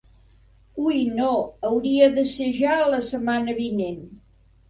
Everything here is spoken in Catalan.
Ui no, hauria de ser ja la setmana vinent.